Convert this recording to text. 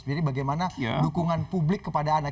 jadi bagaimana dukungan publik kepada anak